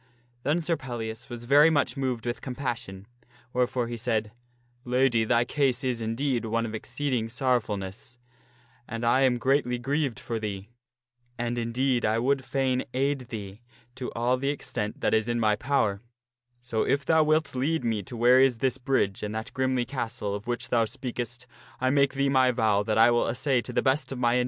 Then Sir Pellias was very much moved with compassion, wherefore he said, " Lady, thy case is, indeed, one of exceeding sorrowfulness, and I am greatly grieved for thee. And, indeed, I would fain aid thee to all the Sir Pellias as extent that is in my power. So, if thou wilt lead me to where advent j s this bridge and that grimly castle of which thou speakest, I make thee my vow that I will assay to the best of my en fuiiady.